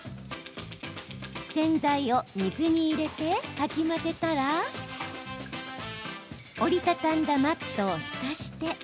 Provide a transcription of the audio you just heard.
洗剤を水に入れてかき混ぜたら折り畳んだマットを浸して。